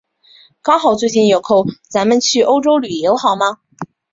刚好最近有空，咱们去欧洲旅游好吗？